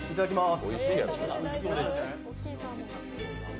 いただきます。